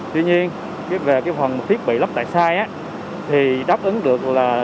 tuy nhiên về cái phần thiết bị lắp tại sai thì đáp ứng được là